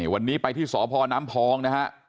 วันนี้ไปที่สพน้ำพองนะฮะ